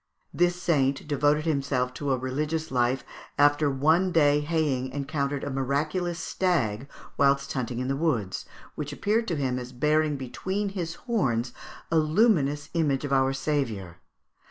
This saint devoted himself to a religious life, after one day haying encountered a miraculous stag whilst hunting in the woods, which appeared to him as bearing between his horns a luminous image of our Saviour.